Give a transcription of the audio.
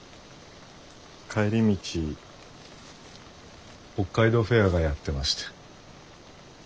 帰り道北海道フェアがやってまして。